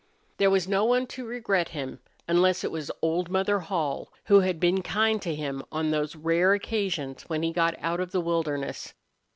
There was no one to regret him, unless it was old Mother Hall, who had been kind to him on those rare occasions when he got out of the wilderness.